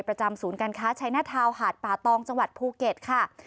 ศูนย์การค้าชัยหน้าทาวน์หาดป่าตองจังหวัดภูเก็ตค่ะ